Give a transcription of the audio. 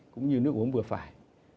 cũng như nước uống vừa phải